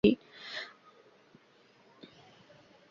গল্পলেখার পেয়াদা যখন দরজা ছাড়ে না তখন দায়ে পড়ে ভাবতে হল কী লিখি।